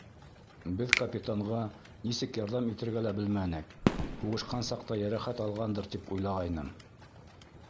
Беҙ капитанға нисек ярҙам итергә лә белмәнек, һуғышҡан саҡта йәрәхәт алғандыр тип уйлағайным.